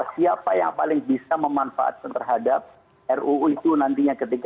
siapa yang paling bisa memanfaatkan terhadap ruu itu nantinya ketika